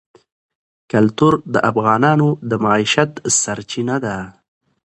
کلتور د افغانانو د معیشت سرچینه ده.